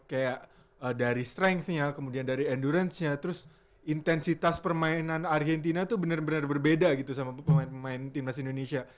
kayak dari strength nya kemudian dari endurance nya terus intensitas permainan argentina tuh bener bener berbeda gitu sama pemain pemain timnas indonesia